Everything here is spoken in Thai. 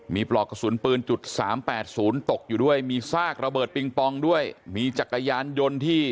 มีปลอกกระสุนปืนจุดสามแปดศูนย์ตกอยู่ด้วยมีซากระเบิดปิงปองด้วยมีจักรยานยนต์ที่